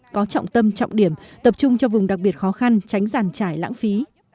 có trọng tâm trọng điểm tập trung cho vùng đặc biệt khó khăn tránh giàn trải lãng phí